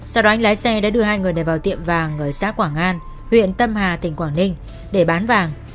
sau đó lái xe đã đưa hai người này vào tiệm vàng ở xã quảng an huyện tâm hà tỉnh quảng ninh để bán vàng